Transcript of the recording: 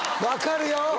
わかるよ！